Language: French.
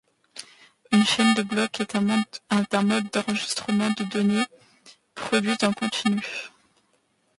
Une chaîne de blocs est un mode d’enregistrement de données produites en continu.